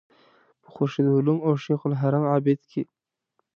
په خورشید علوم او شیخ الحرم عابد کې.